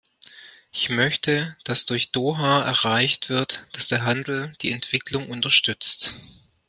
Ich möchte, dass durch Doha erreicht wird, dass der Handel die Entwicklung unterstützt.